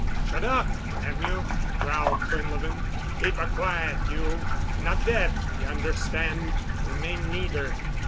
"Shut up, damn you," growled Quinlevin. "Keep her quiet, you. Not death, you understand. We may need her."